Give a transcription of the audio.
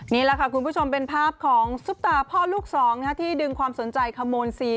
นี่แหละค่ะคุณผู้ชมเป็นภาพของซุปตาพ่อลูกสองที่ดึงความสนใจขโมยซีน